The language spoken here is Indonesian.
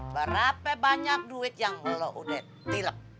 berapa banyak duit yang lo udah tilek